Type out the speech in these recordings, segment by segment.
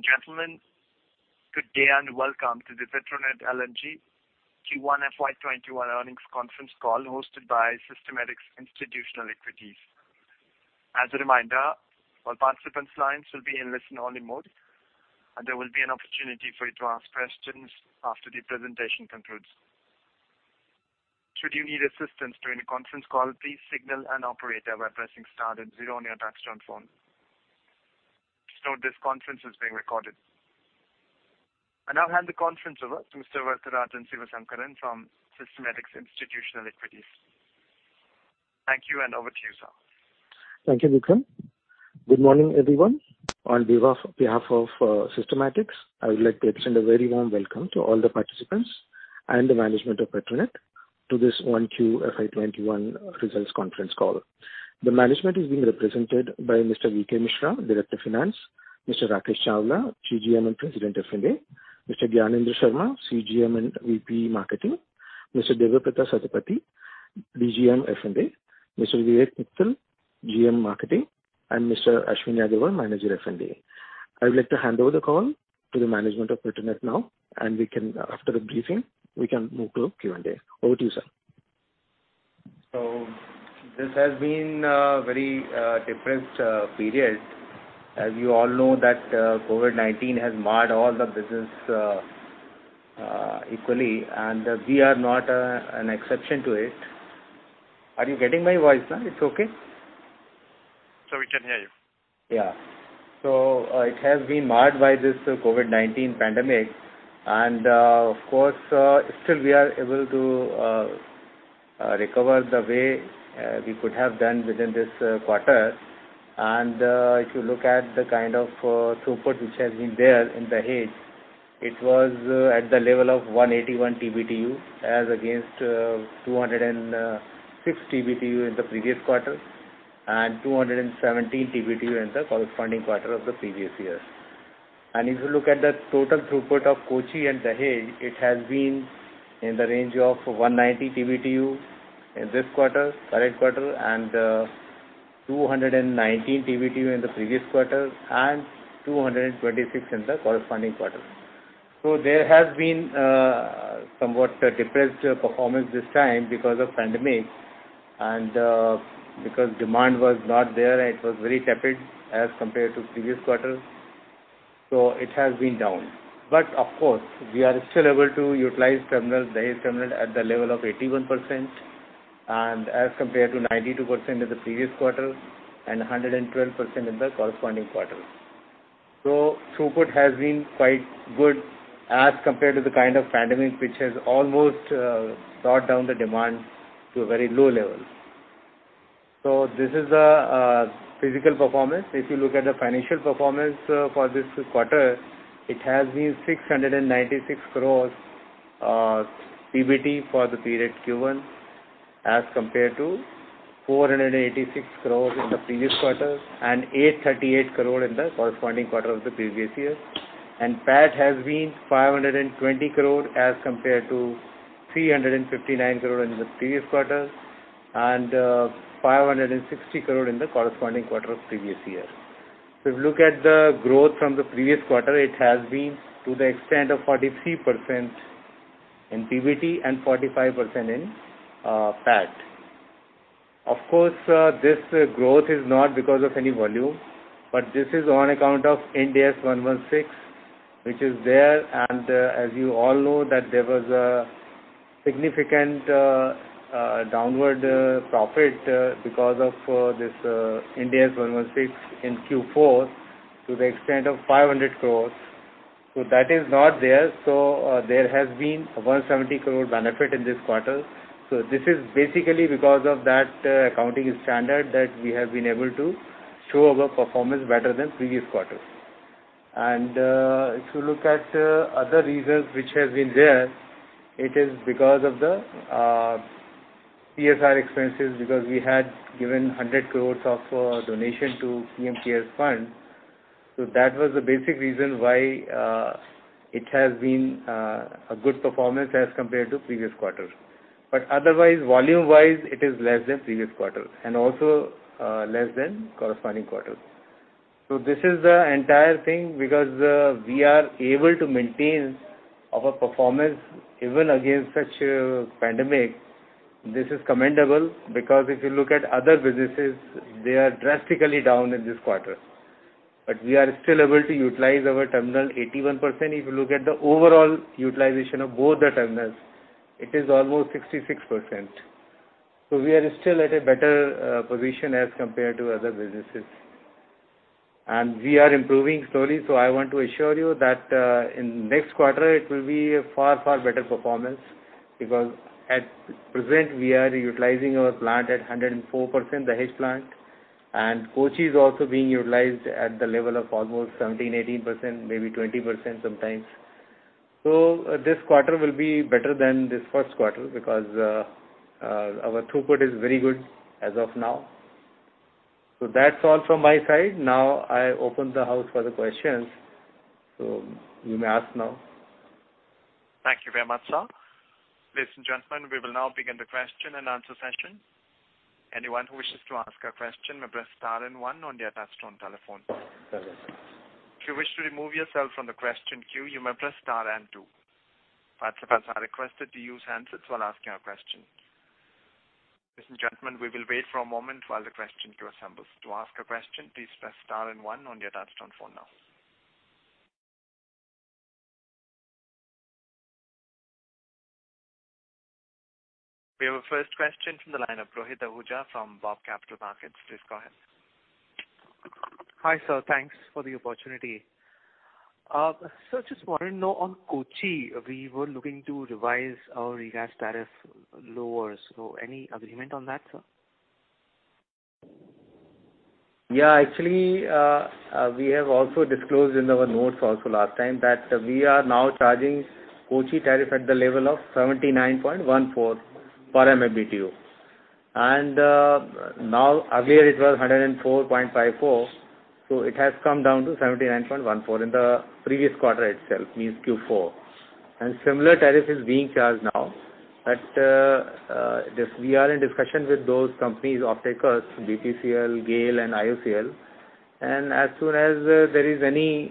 Ladies and gentlemen, good day and welcome to the Petronet LNG Q1 FY 2021 Earnings Conference Call hosted by Systematix Institutional Equities. As a reminder, all participants' lines will be in listen-only mode, and there will be an opportunity for you to ask questions after the presentation concludes. Should you need assistance during a conference call, please signal an operator while pressing star and zero on your telephone. Just note this conference is being recorded. I now hand the conference over to Mr. Varatharajan Sivasankaran from Systematix Institutional Equities. Thank you, and over to you, sir. Thank you, Vikram. Good morning, everyone. On behalf of Systematix, I would like to extend a very warm welcome to all the participants and the management of Petronet to this 1Q FY 2021 results conference call. The management is being represented by Mr. V.K. Mishra, Director of Finance, Mr. Rakesh Chawla, CGM and President F&A, Mr. G.K. Sharma, CGM and VP Marketing, Mr. D.V. Satpathy, CGM F&A, Mr. Vivek Mittal, GM Marketing, and Mr. Ashwin Yadav, Manager F&A. I would like to hand over the call to the management of Petronet now, and after the briefing, we can move to Q&A. Over to you, sir. So this has been a very depressed period. As you all know that, COVID-19 has marred all the business equally, and we are not an exception to it. Are you getting my voice, sir? It's okay? We can hear you. Yeah. So it has been marred by this COVID-19 pandemic, and of course, still we are able to recover the way we could have done within this quarter. And if you look at the kind of throughput which has been there in Dahej, it was at the level of 181 TBTU against 206 TBTU in the previous quarter and 217 TBTU in the corresponding quarter of the previous year. And if you look at the total throughput of Kochi and Dahej, it has been in the range of 190 TBTU in this quarter, current quarter and 219 TBTU in the previous quarter and 226 in the corresponding quarter. So there has been somewhat depressed performance this time because of the pandemic and because demand was not there. It was very tepid as compared to the previous quarter, so it has been down. But of course, we are still able to utilize the Dahej terminal at the level of 81% as compared to 92% in the previous quarter and 112% in the corresponding quarter. So throughput has been quite good as compared to the kind of pandemic which has almost brought down the demand to a very low level. So this is the physical performance. If you look at the financial performance for this quarter, it has been 696 crores PBT for the period Q1 as compared to 486 crores in the previous quarter and 838 crores in the corresponding quarter of the previous year. And PAT has been 520 crores as compared to 359 crores in the previous quarter and 560 crores in the corresponding quarter of the previous year. So if you look at the growth from the previous quarter, it has been to the extent of 43% in PBT and 45% in PAT. Of course, this growth is not because of any volume, but this is on account of IND AS 116, which is there. And as you all know, there was a significant downward profit because of this IND AS 116 in Q4 to the extent of 500 crore. So that is not there. So there has been a 170-crore benefit in this quarter. So this is basically because of that accounting standard that we have been able to show a performance better than the previous quarter. And if you look at other reasons which have been there, it is because of the CSR expenses because we had given 100 crore of donation to PM CARES Fund. So that was the basic reason why it has been a good performance as compared to the previous quarter. But otherwise, volume-wise, it is less than the previous quarter and also less than the corresponding quarter. So this is the entire thing because we are able to maintain our performance even against such a pandemic. This is commendable because if you look at other businesses, they are drastically down in this quarter. But we are still able to utilize our terminal 81%. If you look at the overall utilization of both the terminals, it is almost 66%. So we are still at a better position as compared to other businesses. And we are improving slowly, so I want to assure you that in the next quarter, it will be a far, far better performance because at present, we are utilizing our plant at 104%, the Dahej plant, and Kochi is also being utilized at the level of almost 17%-18%, maybe 20% sometimes. So this quarter will be better than this first quarter because our throughput is very good as of now. So that's all from my side. Now I open the house for the questions. So you may ask now. Thank you very much, sir. Ladies and gentlemen, we will now begin the question-and-answer session. Anyone who wishes to ask a question may press star and one on the attached phone telephone. If you wish to remove yourself from the question queue, you may press star and two. Participants are requested to use handsets while asking a question. Ladies and gentlemen, we will wait for a moment while the question queue assembles. To ask a question, please press star and one on the attached phone now. We have a first question from the line of Rohit Ahuja from BOB Capital Markets. Please go ahead. Hi, sir. Thanks for the opportunity. Sir, I just want to know, on Kochi, we were looking to revise our regas tariff lowers. So any agreement on that, sir? Yeah. Actually, we have also disclosed in our notes also last time that we are now charging Kochi tariff at the level of $79.14 per MMBTU. And earlier, it was $104.54, so it has come down to $79.14 in the previous quarter itself, means Q4. And similar tariff is being charged now. But we are in discussion with those companies, offtakers, BPCL, GAIL, and IOCL. And as soon as there is any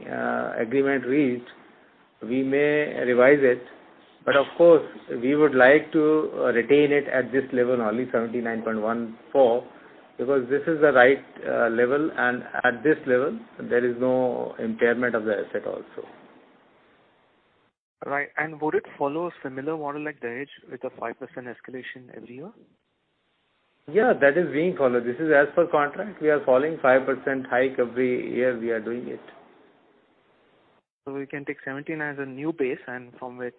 agreement reached, we may revise it. But of course, we would like to retain it at this level, only $79.14, because this is the right level, and at this level, there is no impairment of the asset also. Right. And would it follow a similar model like Dahej with a 5% escalation every year? Yeah, that is being followed. This is as per contract. We are following 5% hike every year, we are doing it. So we can take $79 as a new base and from which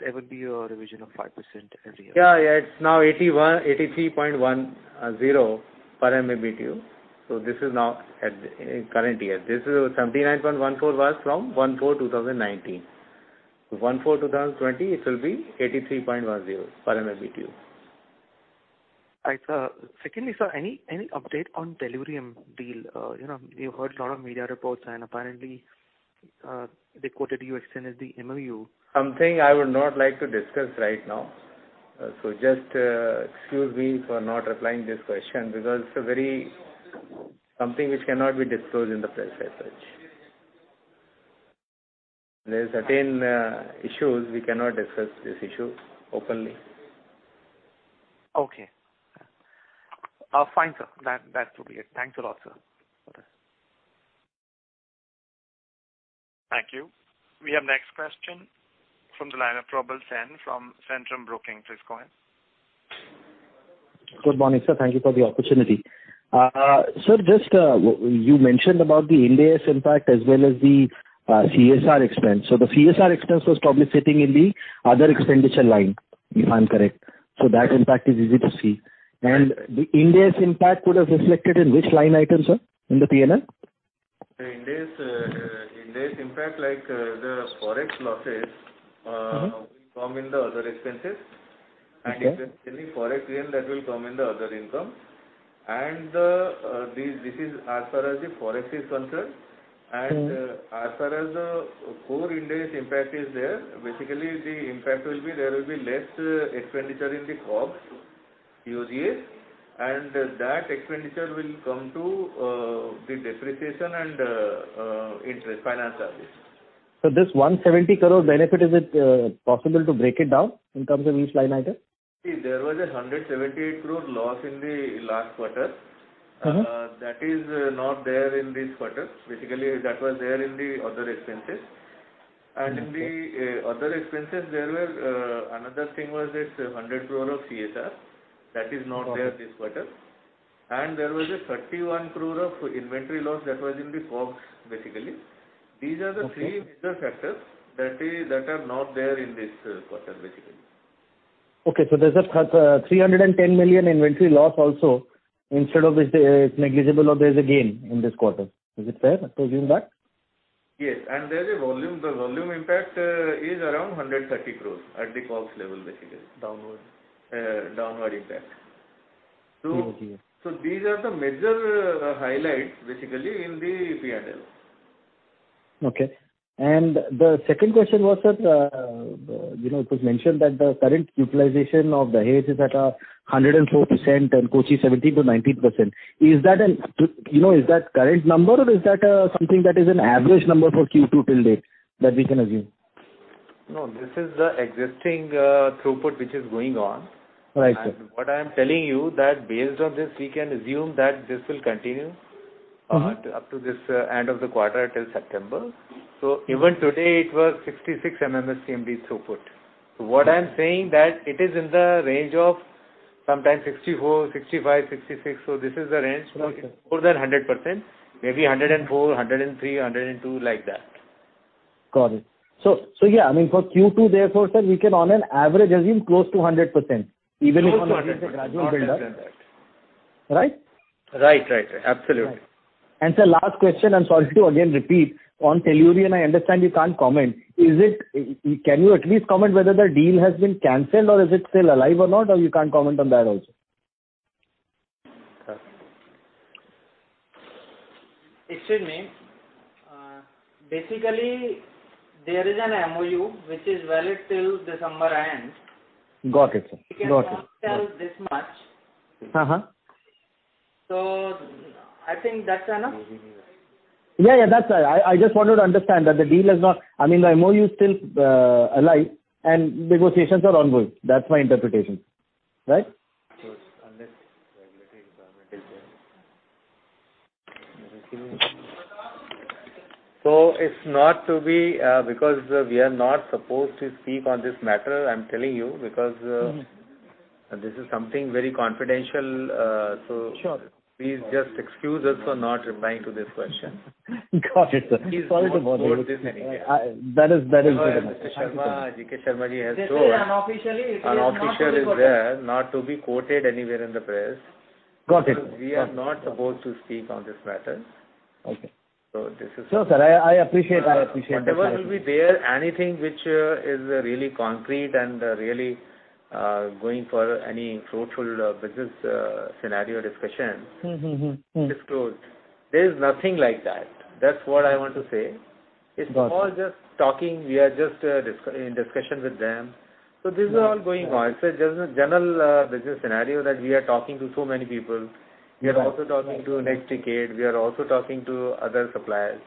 there would be a revision of 5% every year? Yeah. Yeah. It's now $83.10 per MMBTU. So this is now current year. $79.14 was from 1/4/2019. 1/4/2020, it will be $83.10 per MMBTU. Right, Sir. Secondly, sir, any any update on the Driftwood deal? You know, we have heard a lot of media reports, and apparently, they quoted you extended the MOU. Something I would not like to discuss right now. So just excuse me for not replying to this question because it's a very something which cannot be disclosed in the press as such. There are certain issues we cannot discuss this issue openly. Okay. Fine, sir. That should be it. Thanks a lot, sir. Thank you. We have the next question from the line of Probal Sen from Centrum Broking. Please go ahead. Good morning, sir. Thank you for the opportunity. Sir, you mentioned about the IND AS impact as well as the CSR expense. So the CSR expense was probably sitting in the other expenditure line, if I'm correct. So that impact is easy to see. The IND AS impact would have reflected in which line items, sir, in the P&L? IND AS, IND AS impact, like the forex losses, will come in the other expenses. And if there's any forex gain, that will come in the other income. and this is as far as the forex is concerned. And as far as the core IND AS impact is there, basically, the impact will be there will be less expenditure in the COGS, taxes, and that expenditure will come to the depreciation and interest finance service. Sir, this 170 crore benefit, is it possible to break it down in terms of each line item? See, there was an 178 crore loss in the last quarter. That is not there in this quarter. Basically, that was there in the other expenses. And in the other expenses, there were another thing was this 100 crore of CSR. That is not there this quarter. And there was an 31 crore of inventory loss that was in the COGS, basically. These are the three major factors that are not there in this quarter, basically. Okay. So there’s a 310 million inventory loss also instead of it’s negligible or there’s a gain in this quarter. Is it fair to assume that? Yes. And the volume impact is around 130 crores at the COGS level, basically. Download. Downward impact. So, so these are the major highlights, basically, in the P&L. Okay. And the second question was, sir, it was mentioned that the current utilization of Dahej is at 104% and Kochi 17%-19%. You know, is that current number, or is that something that is an average number for Q2 till date that we can assume? No, this is the existing throughput which is going on. What I am telling you, that based on this, we can assume that this will continue up to this end of the quarter till September. So even today, it was 66 MMSCMD throughput. What I am saying, that it is in the range of sometimes 64, 65, 66. This is the range. It's more than 100%, maybe 104%, 103%, 102%, like that. Got it. So yeah, I mean, for Q2, therefore, sir, we can on an average assume close to 100% even if on the front end is a gradual buildup. 100%. Right? Right. Right. Right. Absolutely. And sir, last question. I'm sorry to again repeat. On Driftwood, I understand you can't comment. Can you at least comment whether the deal has been canceled, or is it still alive or not, or you can't comment on that also? Excuse me. Basically, there is an MOU which is valid till December end. Got it, sir. Got it. We cannot sell this much. So I think that's enough. Yeah. Yeah. That's fine. I just wanted to understand that the deal is not I mean, the MOU is still alive, and negotiations are ongoing. That's my interpretation. Right? So it's not to be because we are not supposed to speak on this matter, I'm telling you, because this is something very confidential. So please just excuse us for not replying to this question. Got it, sir. Sorry to bother you. That is good enough. G.K. Sharma, G.K. Sharma ji has told. This is unofficial. It is not. Unofficial is there, not to be quoted anywhere in the press. So we are not supposed to speak on this matter. So this is. No, sir. I appreciate, I appreciate that. Whatever will be there, anything which is really concrete and really going for any fruitful business scenario discussion, disclose. There is nothing like that. That's what I want to say. It's all just talking. We are just in discussion with them. So this is all going on. It's a general business scenario that we are talking to so many people. We are also talking to NextDecade. We are also talking to other suppliers.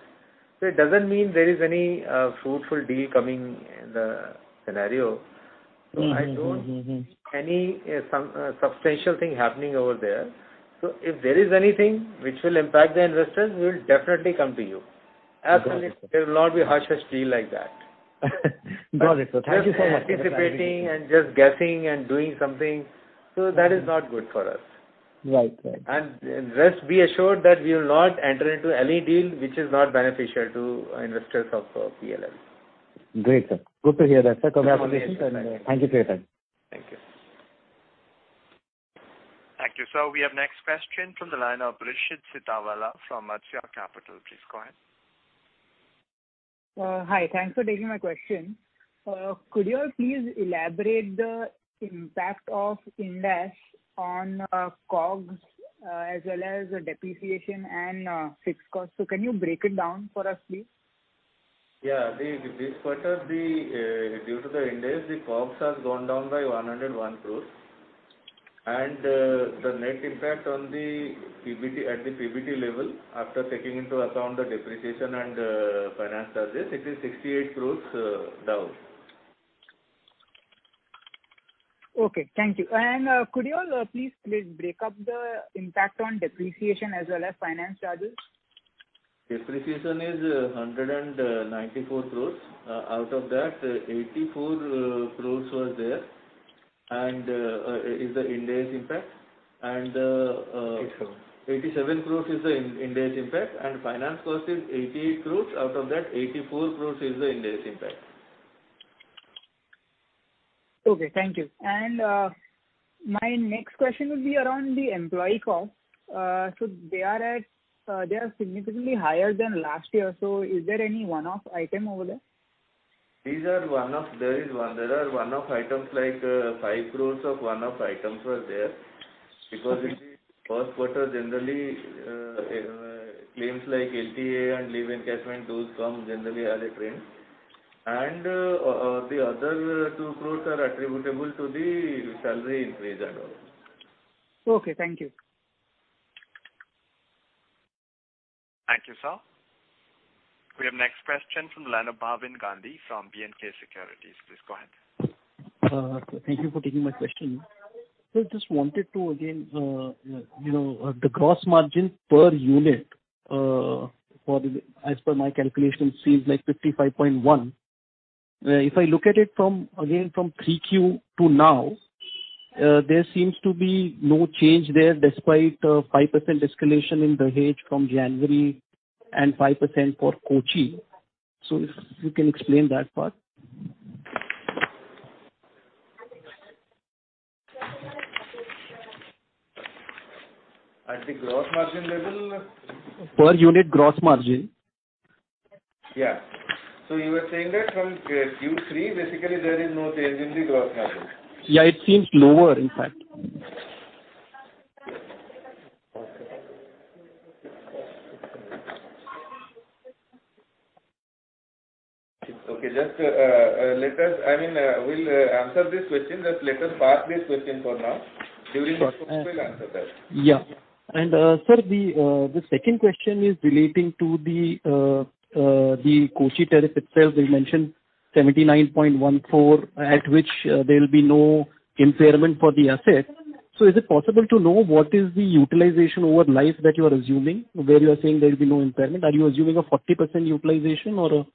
So it doesn't mean there is any fruitful deal coming in the scenario. So I don't any substantial thing happening over there. So if there is anything which will impact the investors, we will definitely come to you. Absolutely. There will not be hush-hush deal like that. Got it, sir. Thank you so much. Anticipating and just guessing and doing something. So that is not good for us. And rest be assured that we will not enter into any deal which is not beneficial to investors of PLL. Great, sir. Good to hear that, sir. Congratulations, and thank you for your time. Thank you. Thank you, sir. We have the next question from the line of Hrishit Sitawala from Matsya Capital. Please go ahead. Hi. Thanks for taking my question. Could you all please elaborate the impact of IND AS on COGS as well as depreciation and fixed costs? So can you break it down for us, please? Yeah. This quarter, due to the IND AS, the COGS has gone down by 101 crores. And the net impact ON THE, at the PBT level, after taking into account the depreciation and finance charges, it is 68 crores down. Okay. Thank you. And could you all please break up the impact on depreciation as well as finance charges? Depreciation is 194 crore. Out of that, 84 crore was there and it's the IND AS impact. 87 crore is the IND AS impact. Finance cost is 88 crore. Out of that, 84 crore is the IND AS impact. Okay. Thank you. And my next question would be around the employee costs. So they are at, they are significantly higher than last year. So is there any one-off item over there? These are one of, There is one. There are one-off items like 5 crores of one-off items was there because in the first quarter, generally, claims like LTA and leave encashment, those come generally as a trend. And the other 2 crores are attributable to the salary increase and all. Okay. Thank you. Thank you, sir. We have the next question from the line of Bhavin Gandhi from B&K Securities. Please go ahead. Thank you for taking my question. Sir, just wanted to again you know, the gross margin per unit as per my calculation seems like $55.1. If I look at it again from 3Q to now, there seems to be no change there despite 5% escalation in Dahej from January and 5% for Kochi. So if you can explain that part. At the gross margin level? Per unit gross margin. Yeah. So you were saying that from Q3, basically, there is no change in the gross margin? Yeah. It seems lower, in fact. Okay. Okay, just let us, I mean, we'll answer this question. Just let us pass this question for now. During this call, we'll answer that. Yeah. And sir, the second question is relating to the Kochi tariff itself. We mentioned $79.14 at which there will be no impairment for the asset. So is it possible to know what is the utilization over life that you are assuming where you are saying there will be no impairment? Are you assuming a 40% utilization or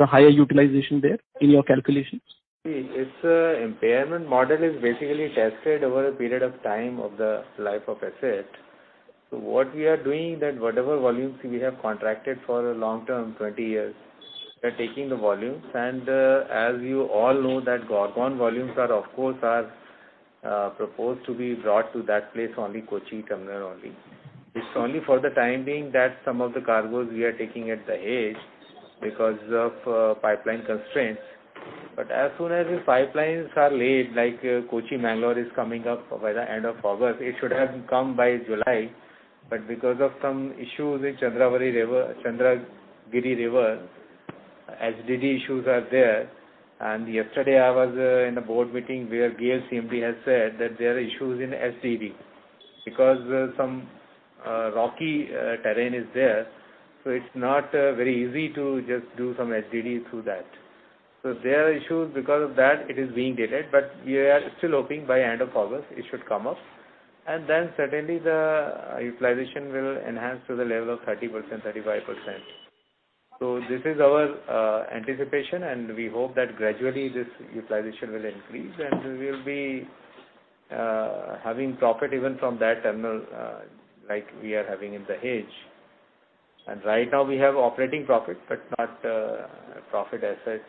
a higher utilization there in your calculations? See, the impairment model is basically tested over a period of time of the life of asset. So what we are doing, that whatever volumes we have contracted for a long term, 20 years, we are taking the volumes. And as you all know, that Gorgon volumes, of course, are proposed to be brought to that place only, Kochi terminal only. It's only for the time being that some of the cargos we are taking at Dahej because of pipeline constraints. But as soon as the pipelines are laid, like Kochi-Mangalore is coming up by the end of August, it should have come by July. But because of some issues in Chandragiri River, HDD issues are there. And yesterday, I was in a board meeting where GAIL CMD has said that there are issues in HDD because some rocky terrain is there. So it's not very easy to just do some HDD through that. So there are issues. Because of that, it is being delayed. But we are still hoping by the end of August, it should come up. And then certainly, the utilization will enhance to the level of 30%-35%. So this is our anticipation. And we hope that gradually, this utilization will increase. And we will be having profit even from that terminal like we are having in Dahej. And right now, we have operating profit but not profit as such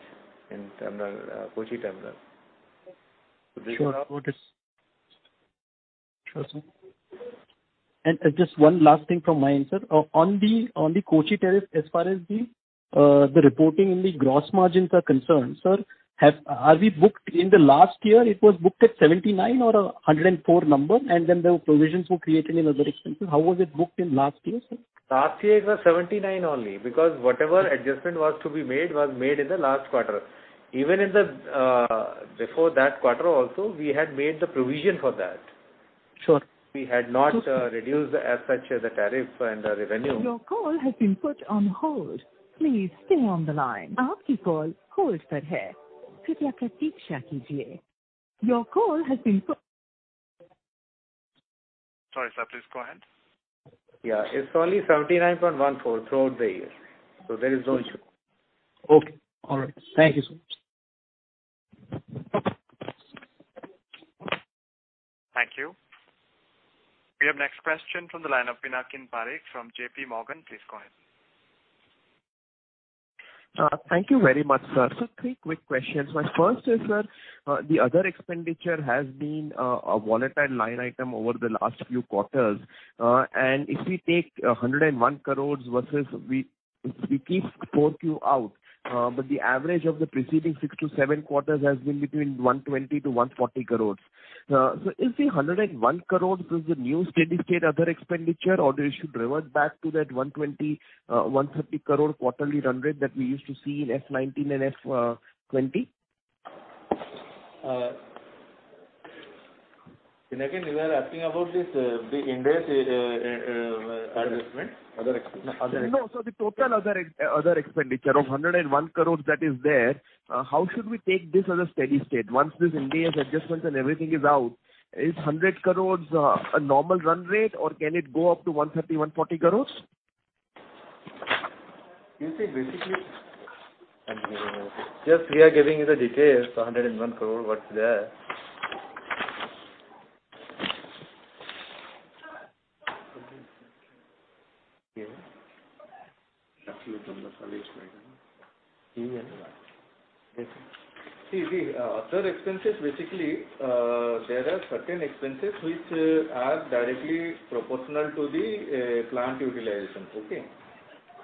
in terminal, Kochi terminal. Sure. Sure, sir. And just one last thing from my end, sir. On the, on the Kochi tariff, as far as the reporting in the gross margins are concerned, sir, are we booked in the last year? It was booked at $79 or $104 number, and then the provisions were created in other expenses. How was it booked in last year, sir? Last year, it was $79 only because whatever adjustment was to be made was made in the last quarter. Even in the, before that quarter also, we had made the provision for that. Sure. We had not reduced as such the tariff and the revenue. Your call has been put on hold. Please stay on the line. आपकी call hold पर है। कृपया प्रतीक्षा कीजिए। Your call has been put. Sorry, sir. Please go ahead. Yeah. It's only $79.14 throughout the year. So there is no issue. Okay. All right. Thank you so much. Thank you. We have the next question from the line of Pinakin Parekh from J.P. Morgan. Please go ahead. Thank you very much, sir. So three quick questions. My first is, sir, the other expenditure has been a volatile line item over the last few quarters. If we take 101 crores versus if we keep 4Q out, but the average of the preceding 6-7 quarters has been between 120 crore-140 crore. So is the 101 crore the new steady-state other expenditure, or do we should revert back to that 120 crore-130-crore quarterly run rate that we used to see in FY 2019 and FY 2020? Again, you are asking about this, the IND AS adjustment? Other expenditure. No, so the total other expenditure of 101 crores that is there, how should we take this as a steady-state? Once this IND AS 116 adjustment and everything is out, is 100 crores a normal run rate, or can it go up to 130 crore-140 crore? You see, basically. Engineering? Okay. Just we are giving you the details, 101 crore, what's there. See, the other expenses, basically, there are certain expenses which are directly proportional to the plant utilization. Okay?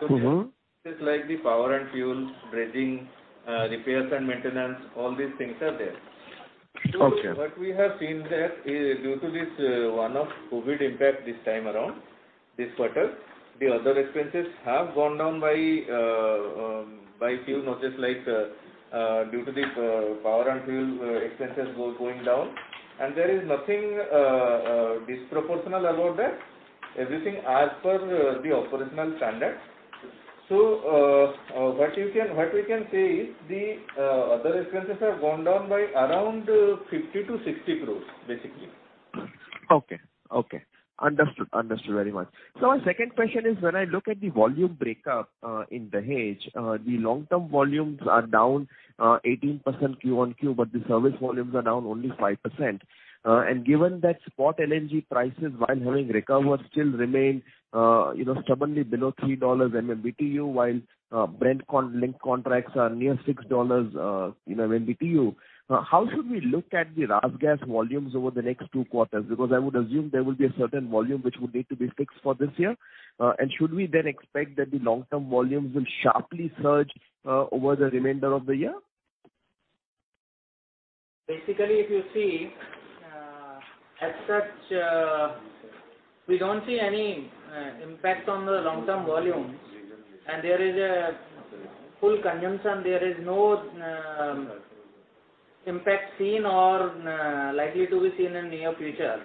So expenses like the power and fuel, dredging, repairs and maintenance, all these things are there. Okay. What we have seen there is due to this one-off COVID impact this time around, this quarter, the other expenses have gone down by a few notches due to the power and fuel were expenses were going down. And there is nothing disproportional about that. Everything as per the operational standard. So what you can, what we can say is the other expenses have gone down by around 50 crore-60 crore, basically. Okay. Okay. Understood. Understood very much. So my second question is, when I look at the volume breakup in Dahej, the long-term volumes are down 18% Q on Q, but the service volumes are down only 5%. And given that Spot LNG prices, while having recovered, still remain stubbornly below $3/MMBTU, while Brent-linked contracts are near $6/MMBTU, how should we look at the RasGas volumes over the next two quarters? Because I would assume there will be a certain volume which would need to be fixed for this year. And should we then expect that the long-term volumes will sharply surge over the remainder of the year? Basically, if you see, as such, we don't see any impact on the long-term volumes. And there is a full consumption. There is no impact seen or likely to be seen in the near future.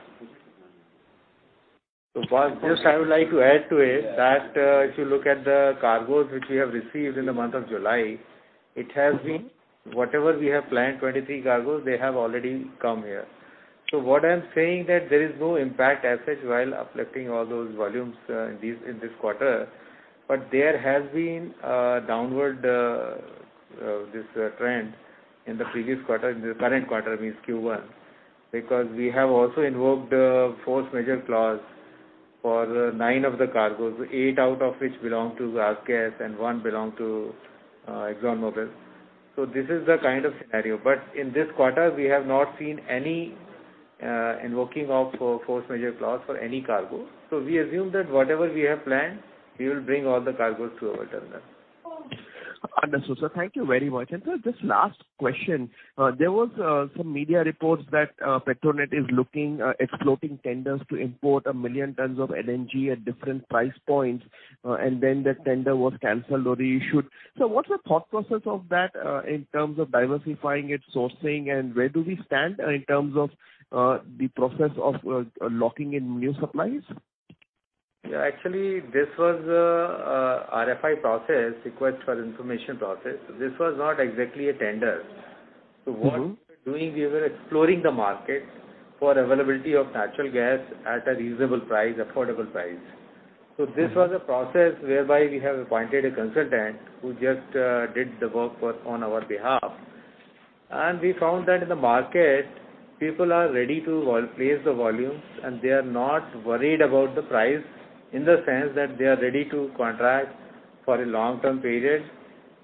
So just I would like to add to it that if you look at the cargoes which we have received in the month of July, it has been whatever we have planned, 23 cargoes, they have already come here. So what I'm saying is that there is no impact as such while uplifting all those volumes in this quarter. But there has been a downward, this trend in the previous quarter, in the current quarter, means Q1, because we have also invoked the force majeure clause for nine of the cargoes, eight out of which belong to RasGas and one belong to ExxonMobil. So this is the kind of scenario. But in this quarter, we have not seen any invoking of force majeure clause for any cargo. So we assume that whatever we have planned, we will bring all the cargoes to our terminal. Understood, sir. Thank you very much. And sir, just last question. There were some media reports that Petronet is exploring tenders to import a million tons of LNG at different price points. And then the tender was canceled or reissued. So what's the thought process of that in terms of diversifying its sourcing, and where do we stand in terms of the process of locking in new supplies? Yeah. Actually, this was a RFI process, request for information process. This was not exactly a tender. So what we were doing, we were exploring the market for availability of natural gas at a reasonable price, affordable price. So this was a process whereby we have appointed a consultant who just did the work on our behalf. And we found that in the market, people are ready to place the volumes, and they are not worried about the price in the sense that they are ready to contract for a long-term period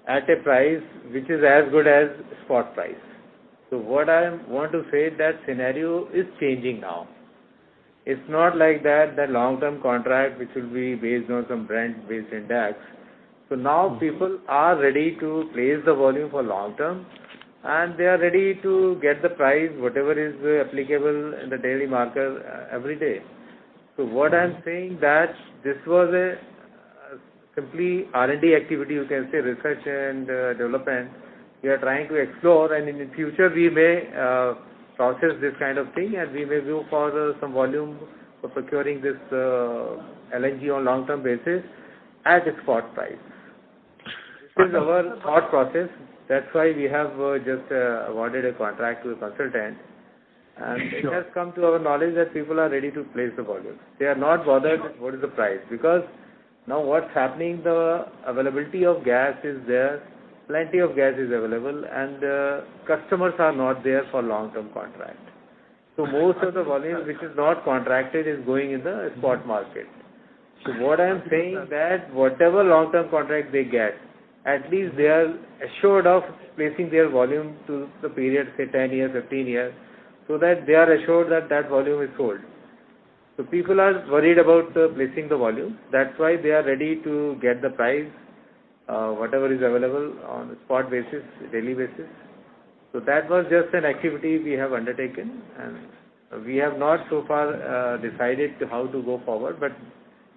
at a price which is as good as spot price. So what I want to say is that scenario is changing now. It's not like that long-term contract which will be based on some Brent-based index. So now, people are ready to place the volume for long-term, and they are ready to get the price, whatever is applicable in the daily market, every day. So what I'm saying is that this was a complete R&D activity, you can say, research and development. We are trying to explore. And in the future, we may process this kind of thing, and we may go for some volume for procuring this LNG on a long-term basis at a spot price. This is our thought process. That's why we have just awarded a contract to a consultant. And it has come to our knowledge that people are ready to place the volumes. They are not bothered with what is the price because now what's happening, the availability of gas is there. Plenty of gas is available. And customers are not there for long-term contract. So most of the volume which is not contracted is going in the spot market. So what I'm saying is that whatever long-term contract they get, at least they are assured of placing their volume to the period, say, 10 years, 15 years, so that they are assured that that volume is sold. So people are worried about placing the volumes. That's why they are ready to get the price, whatever is available, on a spot basis, daily basis. So that was just an activity we have undertaken. And we have not so far decided how to go forward. But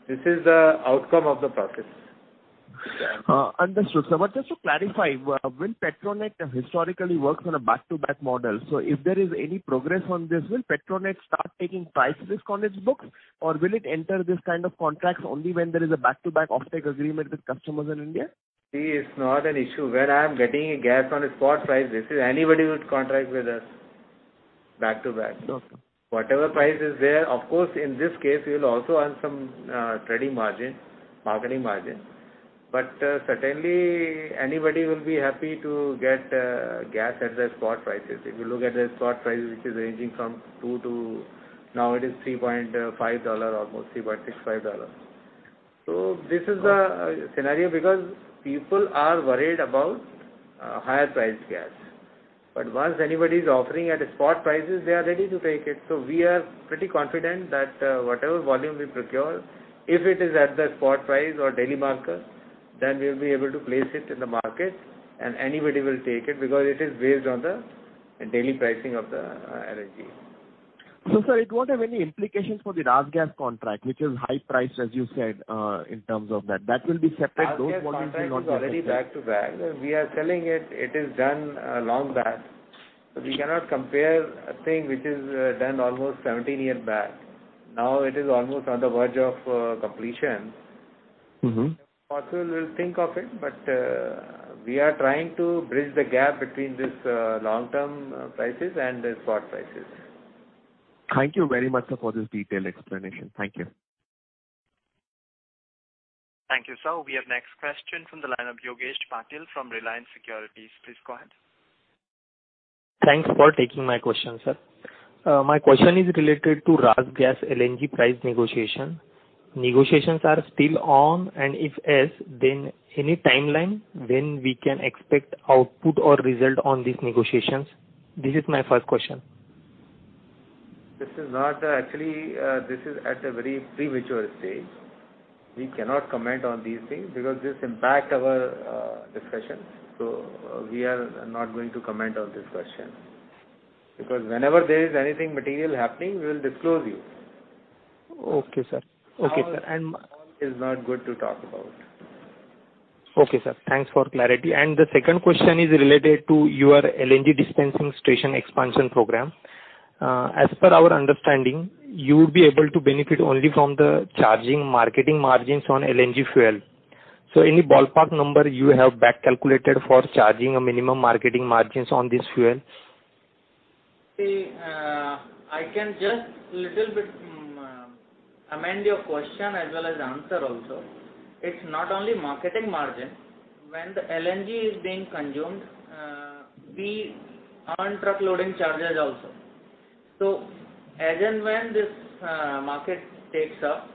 this is the outcome of the process. Understood, sir. But just to clarify, when Petronet historically works on a back-to-back model, so if there is any progress on this, will Petronet start taking price risk on its books, or will it enter this kind of contracts only when there is a back-to-back offtake agreement with customers in India? See, it's not an issue. When I'm getting a gas on a spot price, anybody would contract with us back-to-back. Whatever price is there, of course, in this case, we will also earn some trading margin, marketing margin. But certainly, anybody will be happy to get gas at the spot prices. If you look at the spot price, which is ranging from $2 to now, it is $3.5, almost $3.65. So this is the scenario because people are worried about higher-priced gas. But once anybody is offering at a spot prices, they are ready to take it. So we are pretty confident that whatever volume we procure, if it is at the spot price or daily marker, then we will be able to place it in the market. And anybody will take it because it is based on the daily pricing of the LNG. No sir, it won't have any implications for the RasGas contract, which is high-priced, as you said, in terms of that. That will be separate. Those volumes will not be separate. Gas is already back-to-back. And we are telling it it is done long back. So we cannot compare a thing which is done almost 17 years back. Now, it is almost on the verge of completion. Also, we'll think of it. But we are trying to bridge the gap between these long-term prices and the spot prices. Thank you very much, sir, for this detailed explanation. Thank you. Thank you, sir. We have the next question from the line of Yogesh Patil from Reliance Securities. Please go ahead. Thanks for taking my question, sir. My question is related to RasGas LNG price negotiation. Negotiations are still on. And if yes, then any timeline when we can expect output or result on these negotiations? This is my first question. This is not, actually, this is at a very premature stage. We cannot comment on these things because this impacts our discussions. So we are not going to comment on this question because whenever there is anything material happening, we will disclose you. Okay, sir. Okay, sir. All is not good to talk about. Okay, sir. Thanks for clarity. The second question is related to your LNG dispensing station expansion program. As per our understanding, you would be able to benefit only from the charging marketing margins on LNG fuel. So any ballpark number you have backcalculated for charging a minimum marketing margins on this fuel? See, I can just a little bit amend your question as well as answer also. It's not only marketing margin. When the LNG is being consumed, we earn truck-loading charges also. So as and when this market takes up,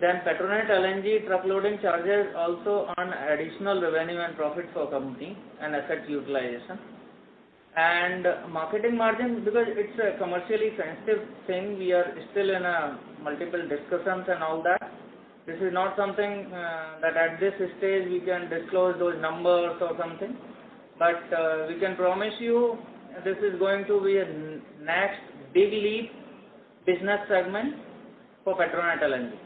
then Petronet LNG truck-loading charges also earn additional revenue and profit for the company and asset utilization. And marketing margin, because it's a commercially sensitive thing, we are still in multiple discussions and all that. This is not something that at this stage, we can disclose those numbers or something. But we can promise you this is going to be the next big leap business segment for Petronet LNG.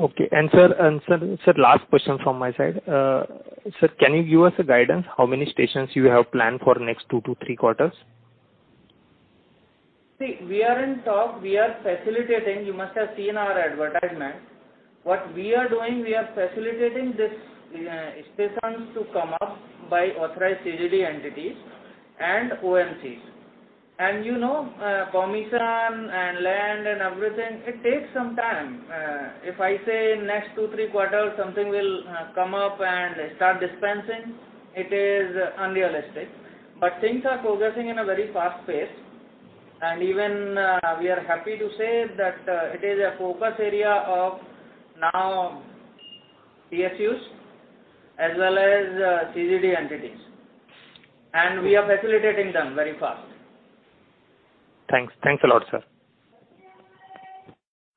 Okay. And sir, sir last question from my side. Sir, can you give us guidance on how many stations you have planned for the next two to three quarters? See, we are in talk. We are facilitating. You must have seen our advertisement. What we are doing, we are facilitating these stations to come up by authorized CGD entities and OMCs. And you know, permission and land and everything, it takes some time. If I say in the next 2-3 quarters, something will come up and start dispensing, it is unrealistic. But things are progressing in a very fast pace. Even we are happy to say that it is a focus area of now PSUs as well as CGD entities. And we are facilitating them very fast. Thanks. Thanks a lot, sir.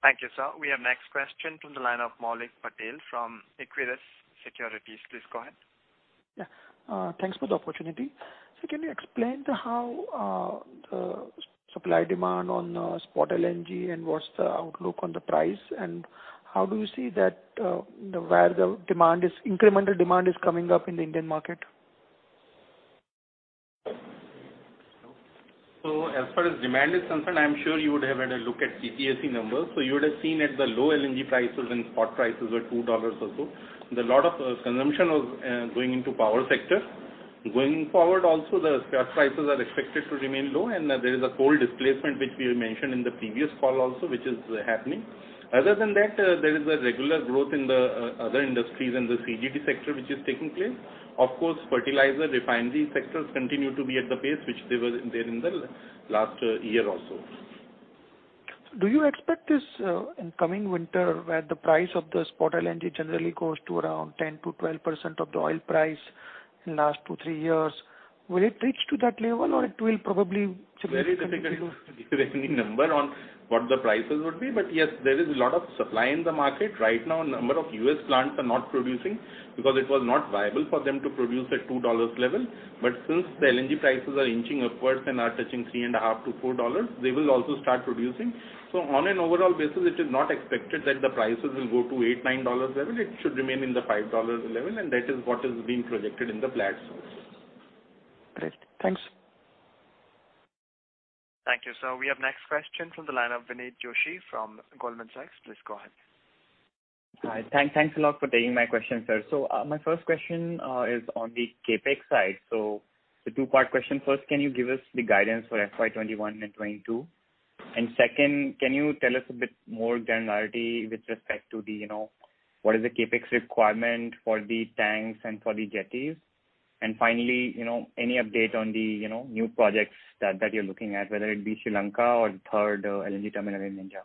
Thank you, sir. We have the next question from the line of Maulik Patel from Equirus Securities. Please go ahead. Yeah. Thanks for the opportunity. Sir, can you explain how the supply demand on Spot LNG and what's the outlook on the price? And how do you see that, where the demand is, incremental demand is coming up in the Indian market? So as far as demand is concerned, I'm sure you would have had a look at PPAC numbers. So you would have seen that the low LNG prices and spot prices were $2 or so. A lot of consumption was going into the power sector. Going forward, also, the spot prices are expected to remain low. And there is a coal displacement, which we mentioned in the previous call also, which is happening. Other than that, there is a regular growth in the other industries and the CGD sector, which is taking place. Of course, fertilizer refinery sectors continue to be at the pace, which they were there in the last year also. Do you expect this in coming winter, where the price of the Spot LNG generally goes to around 10%-12% of the oil price in the last 2-3 years? Will it reach that level, or it will probably continue to? Very difficult to give any number on what the prices would be. But yes, there is a lot of supply in the market. Right now, a number of U.S. plants are not producing because it was not viable for them to produce at $2 level. But since the LNG prices are inching upwards and are touching $3.5-$4, they will also start producing. So on an overall basis, it is not expected that the prices will go to the $8-$9 level. It should remain in the $5 level. And that is what is being projected in the plans also. Great. Thanks. Thank you, sir. We have the next question from the line of Vinit Joshi from Goldman Sachs. Please go ahead. Hi. Thanks a lot for taking my question, sir. My first question is on the CapEx side. So it's a two-part question. First, can you give us the guidance for FY 2021 and FY 2022? And second, can you tell us a bit more generality with respect to you know, what is the CapEx requirement for the tanks and for the jetties? And finally, you know, any update on the, you know, new projects that you're looking at, whether it be Sri Lanka or the third LNG terminal in India?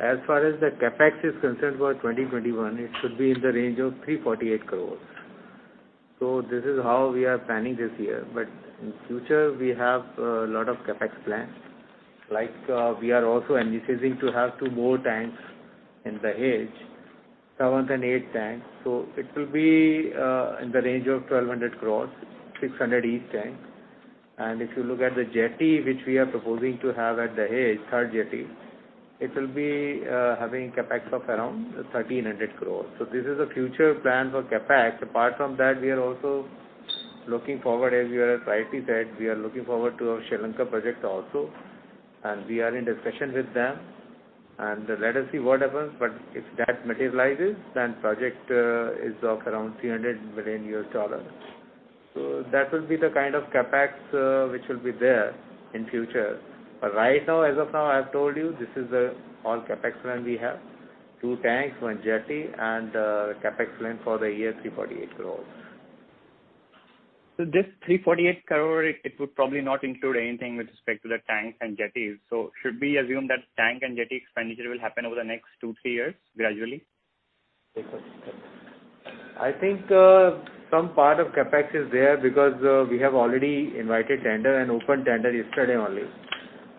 As far as the CapEx is concerned for 2021, it should be in the range of 348 crores. So this is how we are planning this year. But in the future, we have a lot of CapEx plans. We are also envisaging to have two more tanks in Dahej, seventh and eighth tanks. So it will be in the range of 1,200 crores, 600 crores each tank. And if you look at the jetty, which we are proposing to have at Dahej, third jetty, it will be having CapEx of around 1,300 crores. So this is a future plan for CapEx. Apart from that, we are also looking forward, as you rightly said, we are looking forward to our Sri Lanka project also. And we are in discussion with them. And let us see what happens. But if that materializes, then the project is of around EUR 300 million. So that will be the kind of CapEx which will be there in the future. But right now, as of now, I've told you, this is all CapEx plan we have: two tanks, one jetty, and CapEx plan for the year 348 crores. So this 348 crore, it would probably not include anything with respect to the tanks and jetties. So should we assume that tank and jetty expenditure will happen over the next two, three years gradually? I think some part of CapEx is there because we have already invited a tender and opened a tender yesterday only.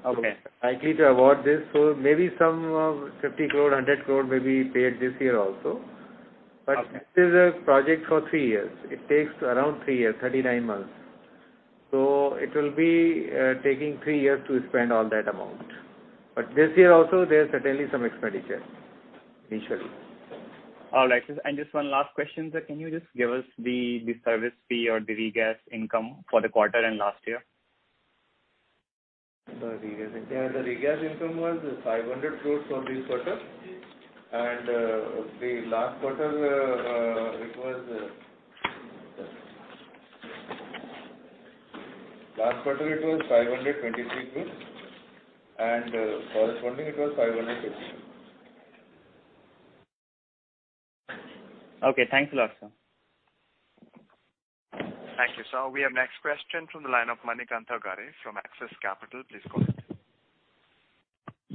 Okay. We're likely to award this. So maybe some 50 crore-100 crore may be paid this year also. But this is a project for three years. It takes around three years, 39 months. So it will be taking three years to spend all that amount. But this year also, there's certainly some expenditure initially. All right. And just one last question, sir. Can you just give us the service fee or the regas income for the quarter and last year? The regas income? Yeah. The regas income was 500 crore for this quarter. The last quarter, it was, last quarter it was 523 crore. And corresponding, it was 550 crore. Okay. Thanks a lot, sir. Thank you, sir. We have the next question from the line of Manikantha Garre from Axis Capital. Please go ahead.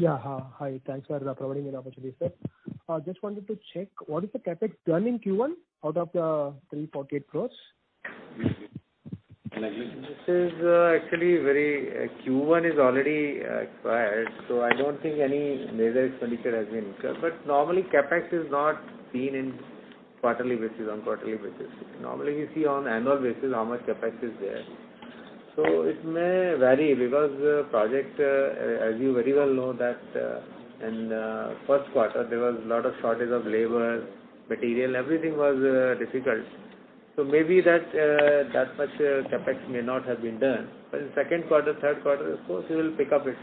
Yeah. Hi. Thanks for providing me an opportunity, sir. I just wanted to check, what is the CapEx done in Q1 out of the 348 crore? This is actually very Q1 is already acquired. So I don't think any major expenditure has been incurred. But normally, CapEx is not seen on quarterly basis. Normally, we see on annual basis how much CapEx is there. So it may vary because the project, as you very well know, that in the first quarter, there was a lot of shortage of labor, material. Everything was difficult. So maybe that much CapEx may not have been done. But in the second quarter, third quarter, of course, we will pick up it.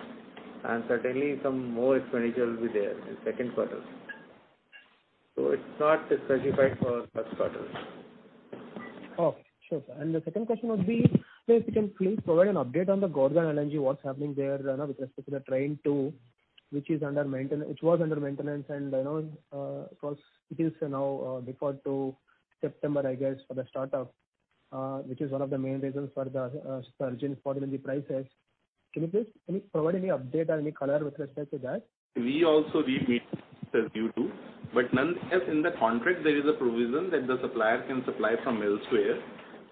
And certainly, some more expenditure will be there in the second quarter. So it's not specified for the first quarter. Oh, sure, sir. The second question would be, sir, if you can please provide an update on the Gorgon LNG, what's happening there with respect to the train 2, which was under maintenance? And of course, it is now deferred to September, I guess, for the startup, which is one of the main reasons for the surge in Spot LNG prices. Can you provide any update or any color with respect to that? We also read media, as you do. But nonetheless, in the contract, there is a provision that the supplier can supply from elsewhere.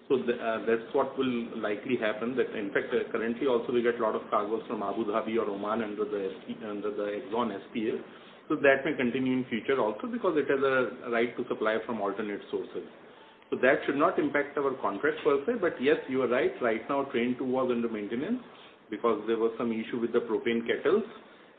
So that's what will likely happen. In fact, currently, also, we get a lot of cargoes from Abu Dhabi or Oman under the, under the Exxon SPA. So that may continue in the future also because it has a right to supply from alternate sources. So that should not impact our contract per se. But yes, you are right. Right now, train 2 was under maintenance because there was some issue with the propane kettles.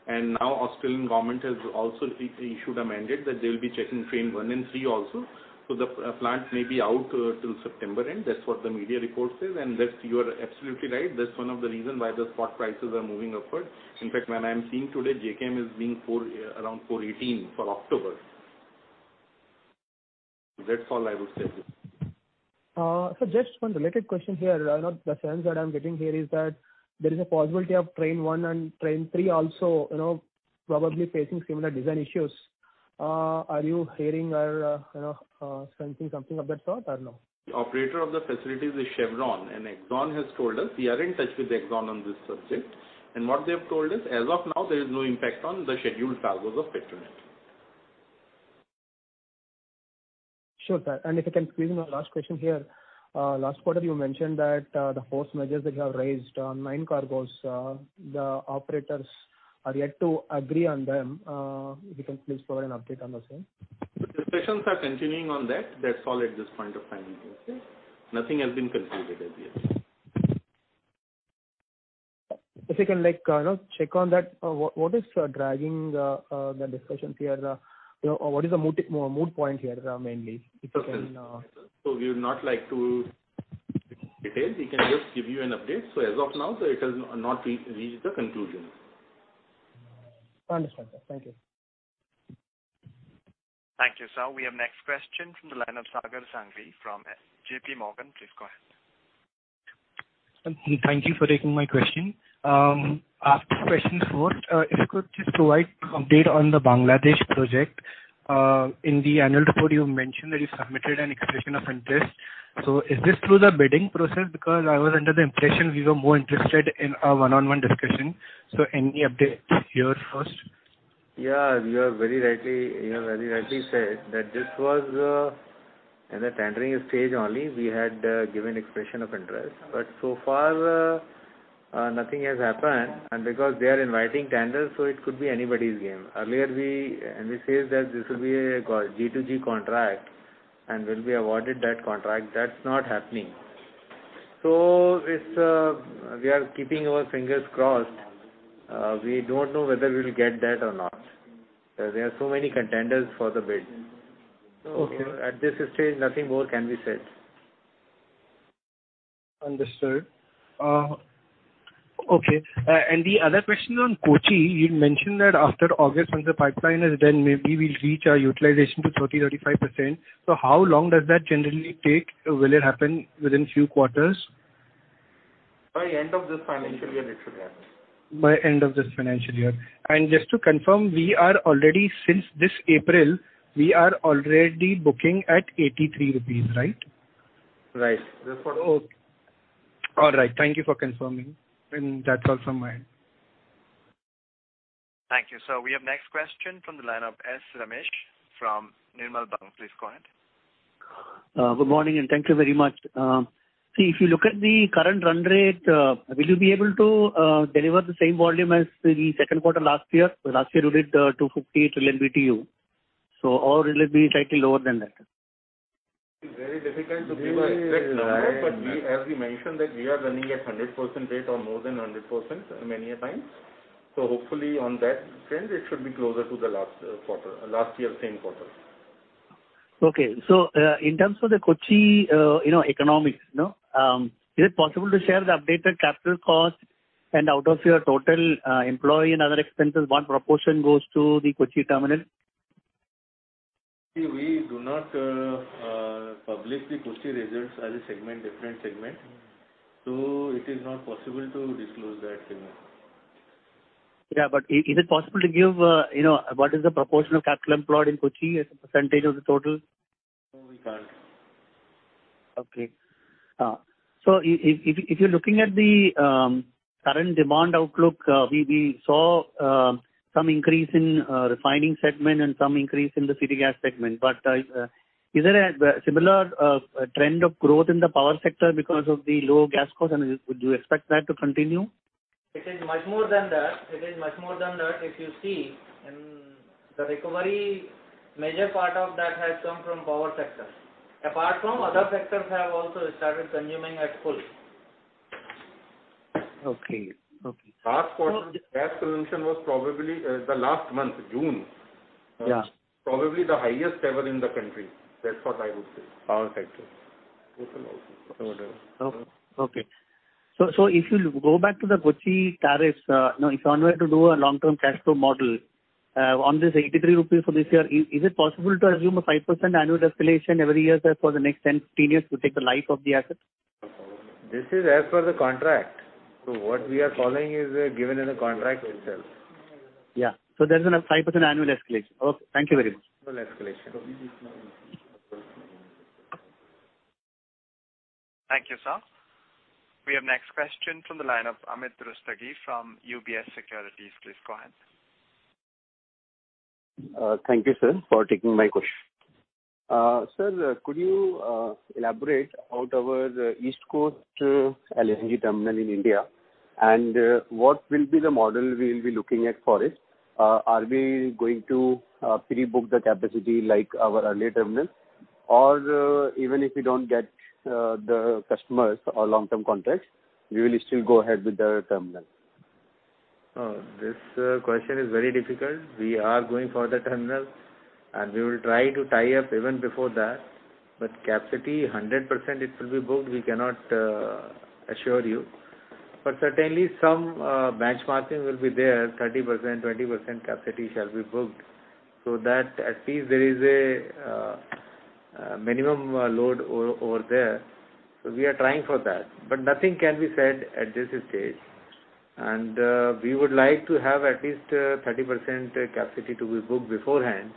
And now, the Australian government has also issued a mandate that they will be checking train 1 and 3 also. So the plant may be out till September end. That's what the media report says. And you are absolutely right. That's one of the reasons why the spot prices are moving upward. In fact, when I'm seeing today, JKM is being around 418 for October. That's all I would say. Sir, just one related question here. The sense that I'm getting here is that there is a possibility of train 1 and train 3 also you know, probably facing similar design issues. Are you hearing or you know sensing something of that sort, or no? Operator of the facility is Chevron. Exxon has told us we are in touch with Exxon on this subject. And what they have told is, as of now, there is no impact on the scheduled cargoes of Petronet. Sure, sir. And if I can squeeze in one last question here, last quarter, you mentioned that the force majeure that you have raised on nine cargos, the operators are yet to agree on them. If you can please provide an update on those things. The discussions are continuing on that. That's all at this point of time. Nothing has been concluded as yet. If I can like, kind of check on that, what is dragging the discussions here? What is the moot point here, mainly, if you can? We would not like to detail. We can just give you an update. As of now, it has not reached the conclusion. Understood, sir. Thank you. Thank you, sir. We have the next question from the line of Sagar Sanghvi from J.P. Morgan. Please go ahead. Thank you for taking my question. I have two questions first. If you could just provide an update on the Bangladesh project. In the annual report, you mentioned that you submitted an expression of interest. So is this through the bidding process? Because I was under the impression we were more interested in a one-on-one discussion. So any update here first? Yeah. You have very rightly, you have very rightly said that this was in the tendering stage only. We had given an expression of interest. But so far, nothing has happened. And because they are inviting tenders, so it could be anybody's game. Earlier we, and we said that this will be a G2G contract and we'll be awarded that contract. That's not happening. So we are keeping our fingers crossed. We don't know whether we'll get that or not. There are so many contenders for the bid. So at this stage, nothing more can be said. Understood. Okay. And the other question is on Kochi. You mentioned that after August, once the pipeline is done, maybe we'll reach our utilization to 30%-35%. How long does that generally take? Will it happen within a few quarters? By end of this financial year, it should happen. By end of this financial year. And just to confirm, we are already since this April, we are already booking at 83 rupees, right? Right. That's what it is. Okay. All right. Thank you for confirming. That's all from my end. Thank you, sir. We have the next question from the line of S. Ramesh from Nirmal Bang. Please go ahead. Good morning and thank you very much. See, if you look at the current run rate, will you be able to deliver the same volume as the second quarter last year? Last year, we did 258 trillion BTU. So, or it will be slightly lower than that. It's very difficult to give an exact number. But as we mentioned, we are running at 100% rate or more than 100% many a time. So hopefully, on that trend, it should be closer to the last quarter, last year's same quarter. Okay. In terms of the Kochi you know, economics know, is it possible to share the updated capital cost? And out of your total employee and other expenses, what proportion goes to the Kochi terminal? See, we do not publish the Kochi results as a segment, different segment. So it is not possible to disclose that figure. Yeah. But is it possible to give, you know, what is the proportion of capital employed in Kochi as a percentage of the total? No, we can't. Okay. So if you're looking at the current demand outlook, we saw some increase in refining segment and some increase in the city gas segment. But is there a similar trend of growth in the power sector because of the low gas cost? And would you expect that to continue? It is much more than that. It is much more than that. If you see the recovery, a major part of that has come from the power sector. Apart from, other sectors have also started consuming at full. Okay. Okay. Last quarter, the gas consumption was probably the last month, June- Yeah. ...probably the highest ever in the country. That's what I would say. Power sector. Total also. Total. Okay. So if you go back to the Kochi tariffs, if you're on the way to do a long-term cash flow model on this 83 rupees for this year, is it possible to assume a 5% annual escalation every year as for the next 10, 15 years to take the life of the asset? This is as per the contract. So what we are calling is given in the contract itself. Yeah. So there's a 5% annual escalation. Okay. Thank you very much. Total escalation. Thank you, sir. We have the next question from the line of Amit Rustagi from UBS Securities. Please go ahead. Thank you, sir, for taking my question. Sir, could you elaborate on our East Coast LNG terminal in India? And what will be the model we'll be looking at for it? Are we going to pre-book the capacity like our earlier terminals? Or even if we don't get the customers or long-term contracts, we will still go ahead with the terminal? This question is very difficult. We are going for the terminal. And we will try to tie up even before that. But apacity, 100%, it will be booked. We cannot assure you. But certainly, some benchmarking will be there. 30%, 20% capacity shall be booked so that at least there is a minimum load over there. So we are trying for that. Nothing can be said at this stage. And we would like to have at least 30% capacity to be booked beforehand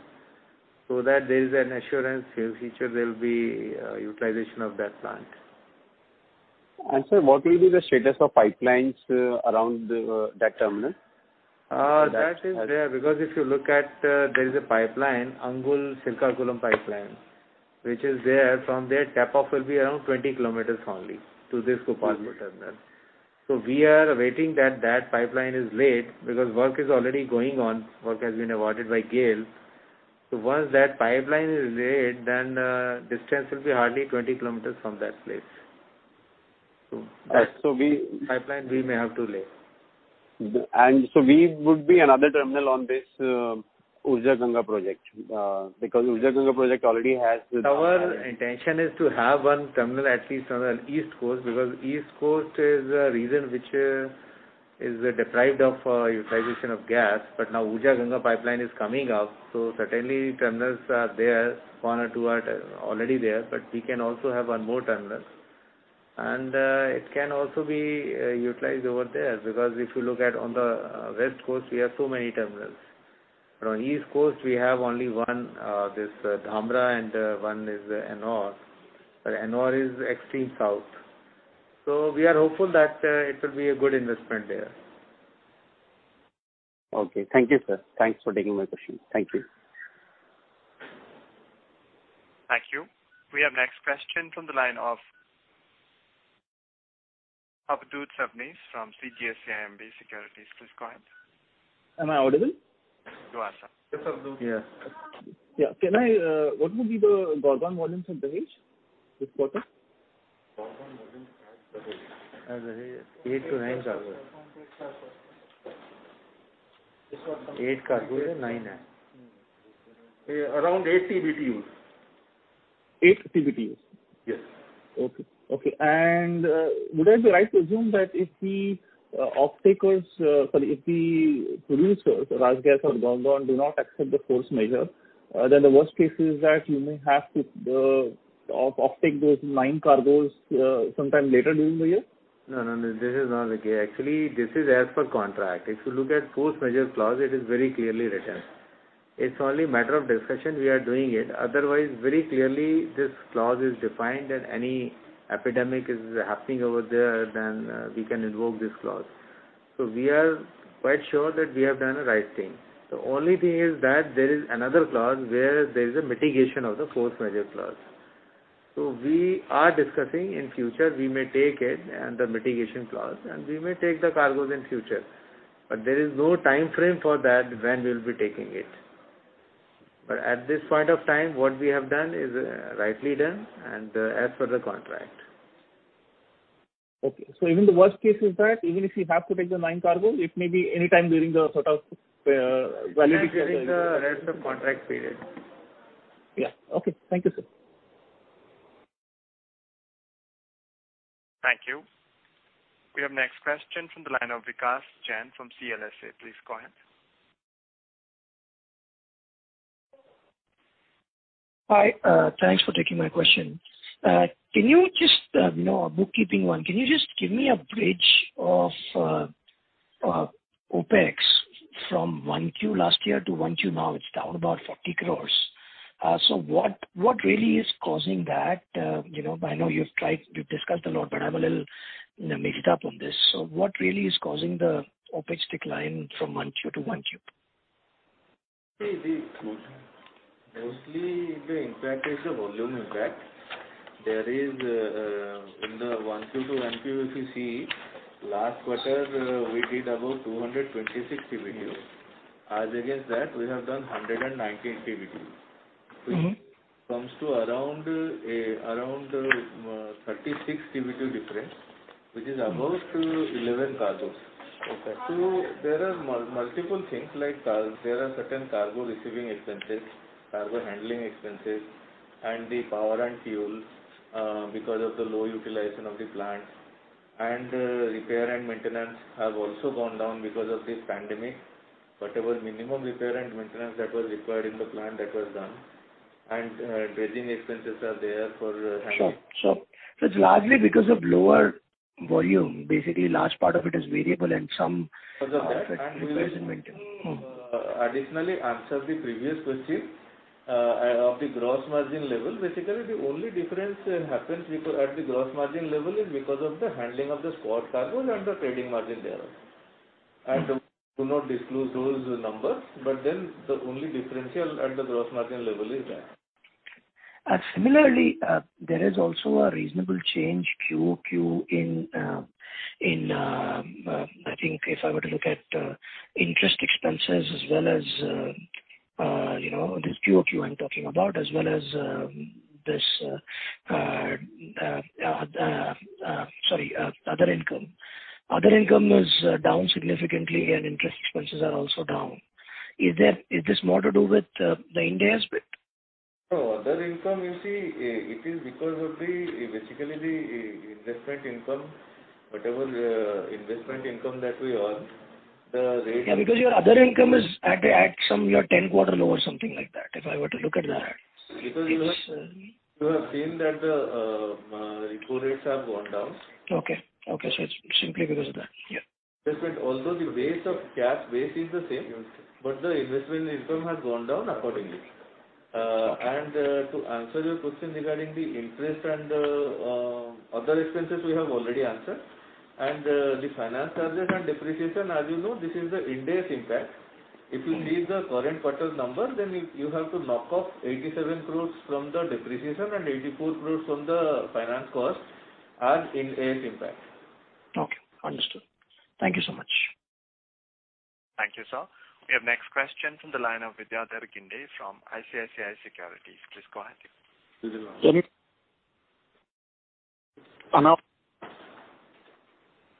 so that there is an assurance in the future there will be utilization of that plant. And sir, what will be the status of pipelines around that terminal? That is there because if you look at, there is a pipeline, Angul-Srikakulam pipeline, which is there. From there, the tap-off will be around 20 kms only to this Gopalpur terminal. So we are awaiting that that pipeline is laid because work is already going on. Work has been awarded by GAIL. So once that pipeline is laid, then the distance will be hardly 20 kms from that place. So the pipeline, we may have to lay. And so we would be another terminal on this Urja Ganga project because the Urja Ganga project already has the. Our intention is to have one terminal at least on the East Coast because the East Coast is a region which is deprived of utilization of gas. But now, the Urja Ganga pipeline is coming up. So certainly, terminals are there. One or two are already there. But we can also have one more terminal. And it can also be utilized over there because if you look at on the West Coast, we have so many terminals. But on the East Coast, we have only one, this Dhamra, and one is Ennore. But Ennore is extreme south. So we are hopeful that it will be a good investment there. Okay. Thank you, sir. Thanks for taking my question. Thank you. Thank you. We have the next question from the line of Avadhoot Sabnis from CGS-CIMB Securities. Please go ahead. Am I audible? You are, sir. Yes, Avadhoot. Yeah. Yeah. Can I, what would be the Gorgon volumes at Dahej this quarter? Eight, nine cargos. eight cargos and nine. Around 8 TBTUs? 8 TBTUs. Yes. Okay. Okay. And would I be right to assume that if we off-takers, if we— sorry, if the producers, RasGas or Gorgon, do not accept the force majeure, then the worst case is that you may have to off-take those nine cargos sometime later during the year? No, no, no. This is not the case. Actually, this is as per contract. If you look at the force majeure clause, it is very clearly written. It's only a matter of discussion. We are doing it. Otherwise, very clearly, this clause is defined. That any epidemic is happening over there, then we can invoke this clause. So we are quite sure that we have done the right thing. The only thing is that there is another clause where there is a mitigation of the force majeure clause. So we are discussing in future we may take it and the mitigation clause. And we may take the cargoes in the future. But there is no time frame for that when we'll be taking it. But at this point of time, what we have done is rightly done and as per the contract. Okay. So even the worst case is that even if you have to take the nine cargos, it may be anytime during the sort of validity period. During the rest of the contract period. Yeah. Okay. Thank you, sir. Thank you. We have the next question from the line of Vikash Jain from CLSA. Please go ahead. Hi. Thanks for taking my question. Can you just a bookkeeping one, can you just give me a bridge of OpEx from 1Q last year to 1Q now? It's down about 40 crore. So what really is causing that? You know, I know you've tried to discussed a lot, but I'm a little mixed up on this. So what really is causing the OpEx decline from 1Q to 1Q? See, mostly, the impact is the volume impact. There is, in the 1Q to 1Q, if you see, last quarter, we did about 226 TBTUs. As against that, we have done 119 TBTUs. So it comes to around, around 36 TBTU difference, which is about 11 cargos. So there are multiple things like there are certain cargo receiving expenses, cargo handling expenses, and the power and fuel because of the low utilization of the plant. And repair and maintenance have also gone down because of this pandemic. Whatever minimum repair and maintenance that was required in the plant that was done. And dredging expenses are there for handling. Sure. Sure. So it's largely because of lower volume. Basically, a large part of it is variable. And some are higher in maintenance. Additionally, answer the previous question of the gross margin level, basically, the only difference that happens at the gross margin level is because of the handling of the spot cargoes and the trading margin level And we do not disclose those numbers. But then the only differential at the gross margin level is that. Similarly, there is also a reasonable change in QOQ in, I think, if I were to look at interest expenses as well as you know, this QOQ I'm talking about as well as this sorry, other income. Other income is down significantly, and interest expenses are also down. Is that, is this more to do with IND AS? Oh, other income, you see, it is because of, basically, the investment income, whatever investment income that we earn, the rate. Yeah. Because your other income is at some your 10th quarter low or something like that, if I were to look at that. Because you have seen, because in that the repo rates have gone down. Okay. Okay. So it's simply because of that. Yeah. Although the base of cash base is the same, but the investment income has gone down accordingly. And to answer your question regarding the interest and other expenses, we have already answered. And the finance charges and depreciation, as you know, this is a IND AS impact. If you see the current quarter number, then you have to knock off 87 crore from the depreciation and 84 crore from the finance cost as IND AS impact. Okay. Understood. Thank you so much. Thank you, sir. We have the next question from the line of Vidyadhar Ginde from ICICI Securities. Please go ahead, thank you.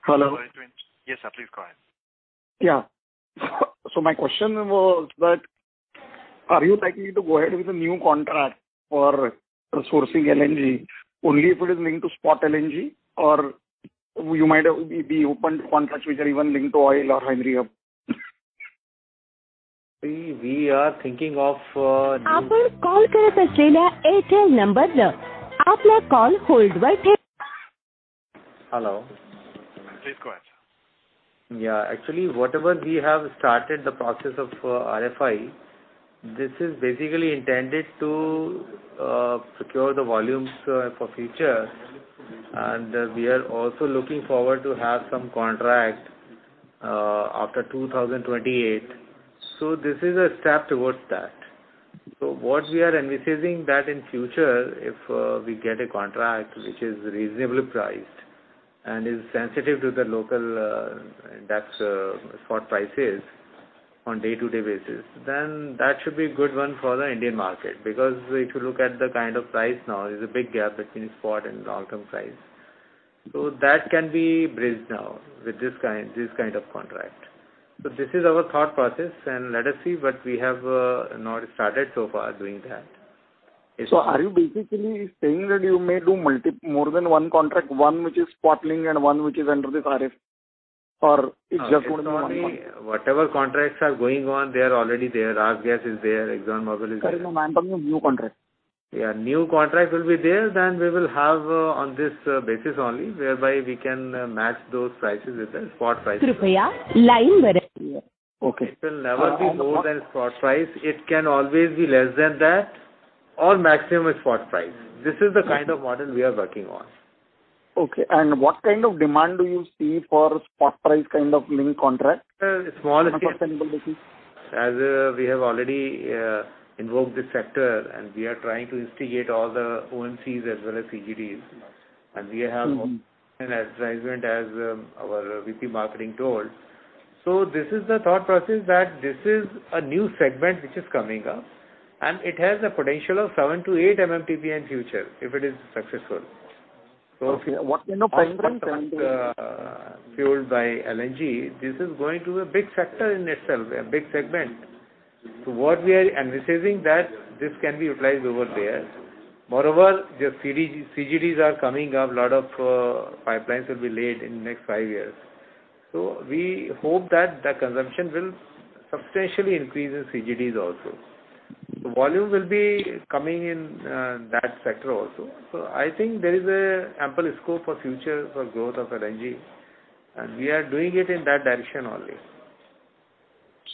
Hello? Hello? Yes, sir. Please go ahead. Yeah. So my question was that are you likely to go ahead with a new contract for sourcing LNG only if it is linked to spot LNG? Or you might be open to contracts which are even linked to oil or Henry Hub? See, we are thinking of. आपण call करत असलेल्या एअरटेल नंबरवर आपला call होल्डवर ठेवा. Hello? Please go ahead, sir. Yeah, actually, whatever we have started, the process of RFI, this is basically intended to procure the volumes for future. And we are also looking forward to have some contract after 2028. So, this is a step towards that. So, what we are envisaging, that in future, if we get a contract which is reasonably priced and is sensitive to the local index spot prices on day to day basis, then that should be a good one for the Indian market. Because, if you look at the kind of price now, is a big gap between spot and long term price. So, that can be bridged now with this kind of contract. So, this is our thought process. And let us see, but we have not started so far doing that. So are you basically saying that you may do multiple more than one contract, one which is spot LNG and one which is under this RFI? Or it's just going on one contract? Whatever contracts are going on, they are already there. RasGas is there. ExxonMobil is there. Sir, you mean talking new contract? Yeah, new contract will be there. Then we will have on this basis only, whereby we can match those prices with the spot prices. कृपया लाईनवर. Okay. It will never be more than spot price. It can always be less than that. Or maximum spot price. This is the kind of model we are working on. Okay. And what kind of demand do you see for spot price kind of LNG contract? Small. Understandable basis? As we have already invoked this sector, and we are trying to instigate all the OMCs as well as CGDs. And we have advertisement, as our VP Marketing told. So, this is the thought process, that this is a new segment which is coming up. And it has a potential of 7-8 MMTPA in future, if it is successful. Okay. What kind of fuel? fuel by LNG, this is going to be a big sector in itself, a big segment. So, what we are envisaging, that this can be utilized over there. Moreover, just CGDs are coming up. A lot of pipelines will be laid in next next years. So, we hope that the consumption will substantially increase in CGDs also. Volume will be coming in that sector also. So, I think there is ample scope for future for growth of LNG. And we are doing it in that direction only.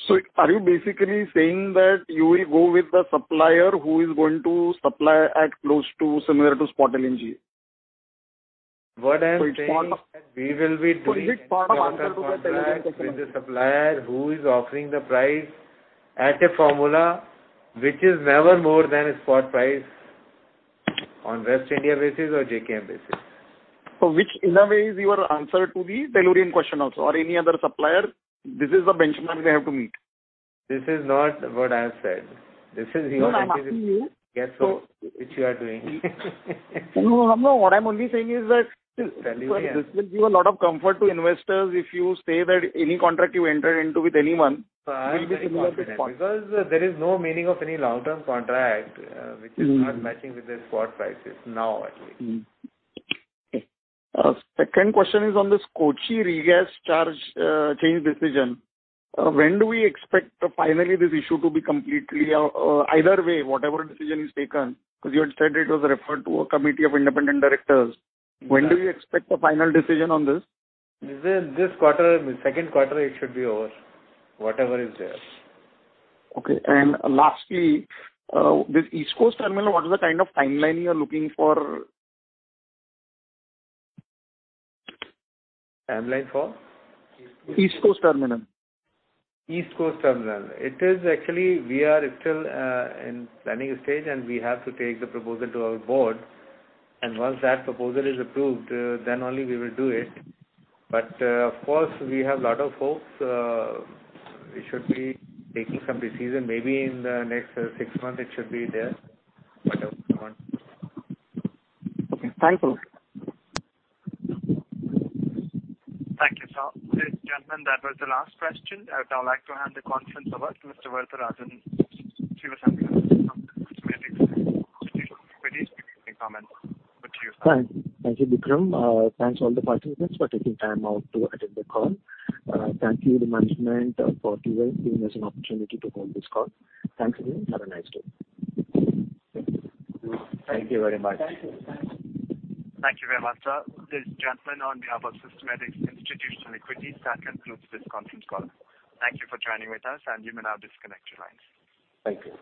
So, are you basically saying that you will go with the supplier who is going to supply at close to similar to spot LNG? What I'm saying, we will be doing. it is part of the answer to the Tellurian question. The supplier who is offering the price at a formula, which is never more than spot price on West India basis or JKM basis. So, which in a way is your answer to the Tellurian question also, or any other supplier? This is the benchmark they have to meet. This is not what I have said. This is your. No, I am asking you. Guess which you are doing. No, no, no. What I am only saying is that this will give a lot of comfort to investors if you say that any contract you enter into with anyone will be similar to spot. So I'll be because there is no meaning of any long term contract which is not matching with the spot prices now, at least. Second question is on this Kochi regas charge change decision. When do we expect finally this issue to be completely either way, whatever decision is taken? Because you had said it was referred to a committee of independent directors. When do you expect the final decision on this? This quarter, second quarter, it should be over. Whatever is there. Okay. And lastly, this East Coast terminal, what is the kind of timeline you are looking for? Timeline for? East Coast terminal. East Coast terminal. It is actually, we are still in planning stage, and we have to take the proposal to our board. And once that proposal is approved, then only we will do it. But, of course, we have lot of hopes. We should be taking some decision. Maybe in the next six months, it should be there. Whatever you want. Okay. Thanks a lot. Thank you, sir. Gentlemen, that was the last question. I would now like to hand the conference over to Mr. Varatharajan. Thank you, Vikram. Thanks to all the participants for taking time out to attend the call. Thank you to management for giving us an opportunity to hold this call. Thanks again. Have a nice day. Thank you very much. Thank you very much, sir. This gentleman, on behalf of Systematix Institutional Equities, that concludes this conference call. Thank you for joining with us, and you may now disconnect your lines. Thank you.